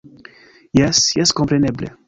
Jes, jes kompreneble